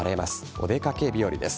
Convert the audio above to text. お出掛け日和です。